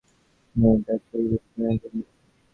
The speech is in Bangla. মেয়েটার চোখ দুটো পানিতে ভরে উঠে।